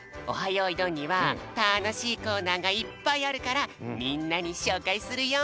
よいどん」にはたのしいコーナーがいっぱいあるからみんなにしょうかいするよ！